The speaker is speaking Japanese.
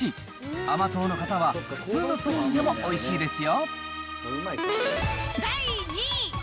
甘党の方は、普通のプリンでもおいしいですよ。